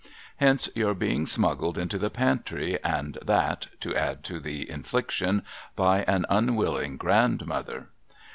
Hence your being smuggled into the pantry, and that — to add to the infliction — by an unwilling grandmother.